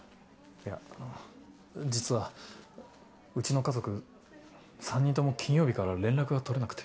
いやあの実はうちの家族３人とも金曜日から連絡が取れなくて。